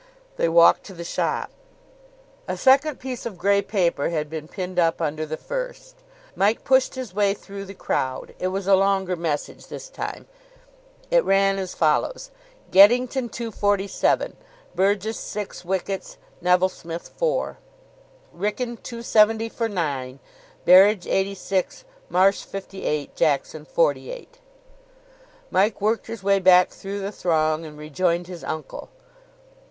They walked to the shop. A second piece of grey paper had been pinned up under the first. Mike pushed his way through the crowd. It was a longer message this time. It ran as follows: "Geddington 247 (Burgess six wickets, Neville Smith four). Wrykyn 270 for nine (Berridge 86, Marsh 58, Jackson 48)." Mike worked his way back through the throng, and rejoined his uncle.